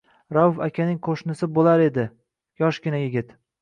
Rauf akaning qo’shnisi bo’lar edi, yoshgina yigit.